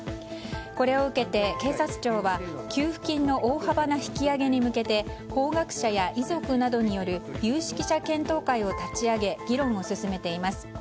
これを受けて警察庁は給付金の大幅な引き上げに向けて法学者や遺族などによる有識者検討会を立ち上げ議論を進めています。